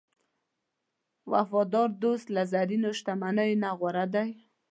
وفادار دوست له زرینو شتمنیو نه غوره دی.